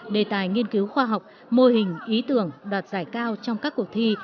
đề tài nghiên cứu khoa học mô hình ý tưởng đoạt giải cao trong các cuộc thi